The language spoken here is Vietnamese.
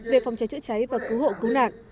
về phòng cháy chữa cháy và cứu hộ cứu nạn